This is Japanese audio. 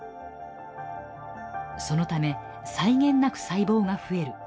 そのため際限なく細胞が増える。